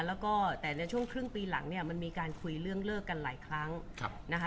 แล้วก็แต่ในช่วงครึ่งปีหลังเนี่ยมันมีการคุยเรื่องเลิกกันหลายครั้งนะคะ